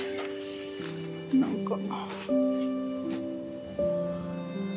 何か。